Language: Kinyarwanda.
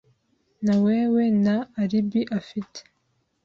nawewe nta alibi afite.